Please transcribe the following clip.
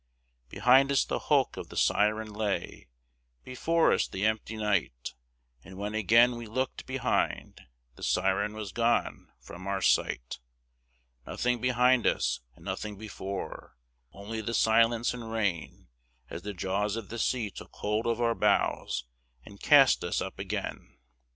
Behind us the hulk of the Siren lay, Before us the empty night; And when again we looked behind The Siren was gone from our sight. Nothing behind us, and nothing before, Only the silence and rain, As the jaws of the sea took hold of our bows And cast us up again.